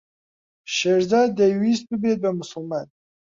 شێرزاد دەیویست ببێت بە موسڵمان.